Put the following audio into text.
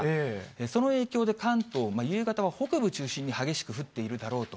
その影響で関東、夕方は北部中心に激しく降っているだろうと。